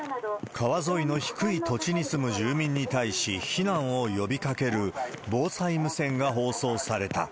川沿いの低い土地に住む住民に対し、避難を呼びかける防災無線が放送された。